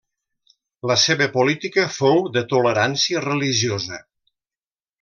La seva política fou de tolerància religiosa.